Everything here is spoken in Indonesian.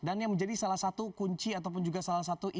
dan yang menjadi salah satu kunci ataupun juga salah satu indonesia